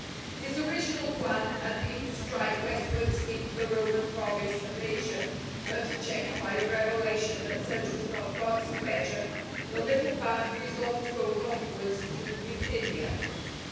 His original plan had been to strike west wards into the Roman province of Asia, but, checked by a revelation that such was not God's pleasure, the little band resolved to go northwards to Bithynia.